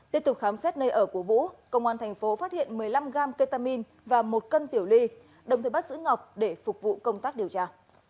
tiếp tục khám xét nơi ở của vũ công an thành phố phát hiện một mươi năm gram ketamin và một cân tiểu ly đồng thời bắt giữ ngọc để phục vụ công tác điều tra